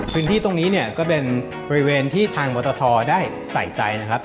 พื้นที่ตรงนี้เนี่ยก็เป็นบริเวณที่ทางมอตทได้ใส่ใจนะครับ